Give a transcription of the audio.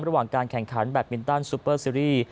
ระหว่างการแข่งขันแบตมินตันซูเปอร์ซีรีส์